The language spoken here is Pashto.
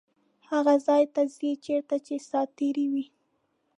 هغه ځای ته ځي چیرته چې ساعتېرۍ وي.